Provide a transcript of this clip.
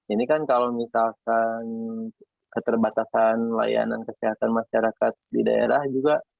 ini kan kalau misalkan keterbatasan layanan kesehatan masyarakat di daerah juga